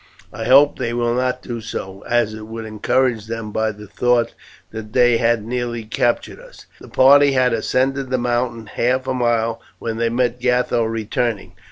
I hope they will not do so, as it would encourage them by the thought that they had nearly captured us." The party had ascended the mountain half a mile when they met Gatho returning.